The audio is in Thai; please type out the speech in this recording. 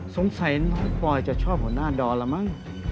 สงสัยน้องปอยจะชอบหัวหน้าดอนแล้วมั้ง